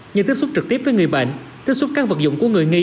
như tiếp xúc trực tiếp với người bệnh tiếp xúc các vật dụng của người nghi